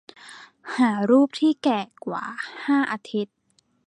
หารูปที่แก่กว่าห้าอาทิตย์